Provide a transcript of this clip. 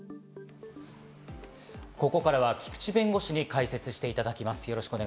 ここからは菊地弁護士に解説していただきます。